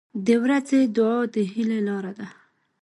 • د ورځې دعا د هیلې لاره ده.